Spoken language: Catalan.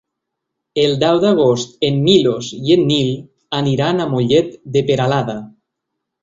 El deu d'agost en Milos i en Nil aniran a Mollet de Peralada.